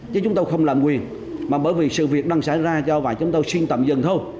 chứ chúng tôi không làm quyền mà bởi vì sự việc đang xảy ra do vậy chúng tôi xin tạm dừng thôi